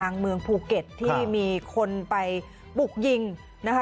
เมืองภูเก็ตที่มีคนไปบุกยิงนะคะ